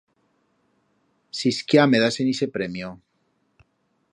Sisquiá me dasen ixe premio!